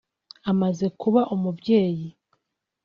amaze kuba umubyeyi